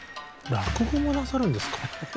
落語もなさるんですか？